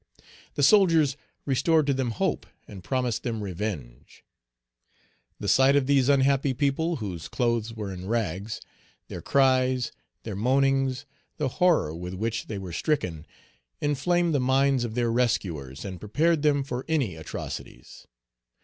The soldiers restored to them hope, and promised them revenge. The sight of these unhappy people, whose clothes were in rags, their cries, their moanings, the horror with which they were stricken, inflamed the minds of their rescuers, and prepared them for any atrocities.